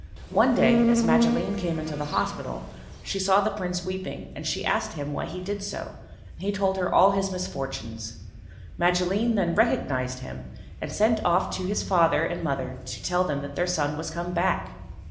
One day as Magilene came into the hospital she saw the Prince weeping, and she asked him why he did so, and he told her all his misfortunes. Magilene then recognised him, and sent off to his father and mother to tell them that their son was come back.